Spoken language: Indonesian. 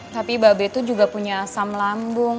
tapi mbak bet tuh juga punya asam lambung